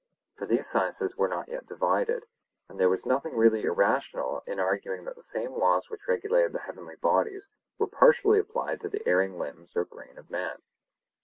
For the sciences were not yet divided, and there was nothing really irrational in arguing that the same laws which regulated the heavenly bodies were partially applied to the erring limbs or brain of man.